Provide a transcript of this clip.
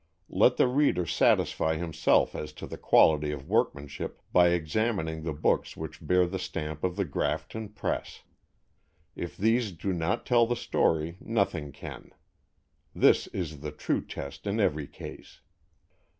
Let the reader satisfy himself as to the quality of workmanship by examining the books which bear the stamp of The Grafton Press. If these do not tell the story, nothing can. This is the true test in every case.